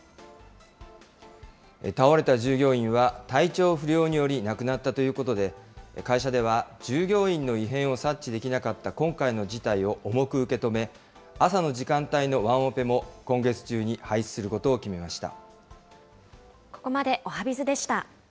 倒れた従業員は、体調不良により亡くなったということで、会社では従業員の異変を察知できなかった今回の事態を重く受け止め、朝の時間帯のワンオペも今月中に廃止することを決めました。